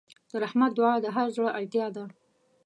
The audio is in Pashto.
د رحمت دعا د هر زړه اړتیا ده.